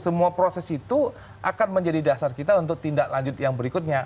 semua proses itu akan menjadi dasar kita untuk tindak lanjut yang berikutnya